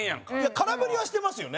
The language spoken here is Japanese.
空振りはしてますよね？